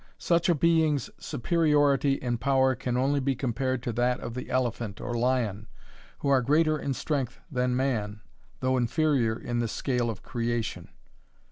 Such a being's superiority in power can only be compared to that of the elephant or lion, who are greater in strength than man, though inferior in the scale of creation.